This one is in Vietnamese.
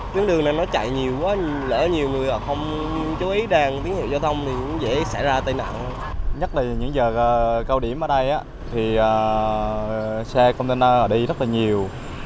xe container ở đây rất là nhiều